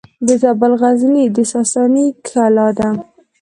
د زابل غزنیې د ساساني کلا ده